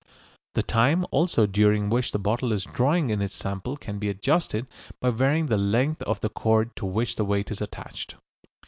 The time also during which the bottle is drawing in its sample can be adjusted by varying the length of the cord to which the weight is attached.